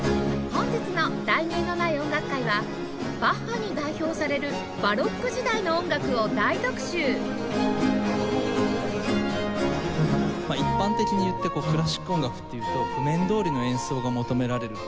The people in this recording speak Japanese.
本日の『題名のない音楽会』はバッハに代表される一般的に言ってクラシック音楽っていうと譜面どおりの演奏が求められる。